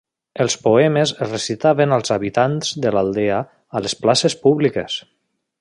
Els poemes es recitaven als habitants de l'aldea a les places públiques.